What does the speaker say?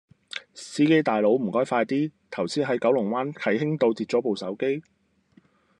司機大佬唔該快啲，頭先喺九龍灣啟興道跌左部手機